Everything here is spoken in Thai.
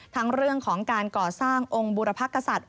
ทั้งเรื่องของการก่อสร้างองค์บุรพกษัตริย์